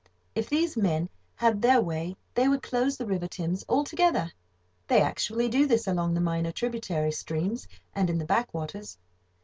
If these men had their way they would close the river Thames altogether. They actually do this along the minor tributary streams and in the backwaters.